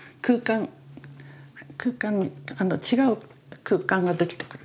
空間違う空間ができてくる。